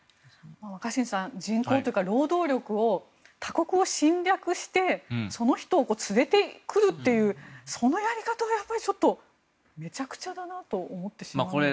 若新さん人口というか、労働力を他国を侵略して連れてくるというそのやり方はめちゃくちゃだなと思ってしまいます。